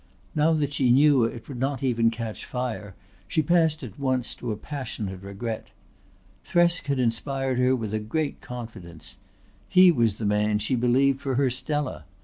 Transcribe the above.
Now that she knew it would not even catch fire she passed at once to a passionate regret. Thresk had inspired her with a great confidence. He was the man, she believed, for her Stella.